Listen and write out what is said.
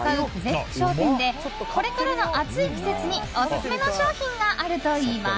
福商店でこれからの暑い季節にオススメの商品があるといいます。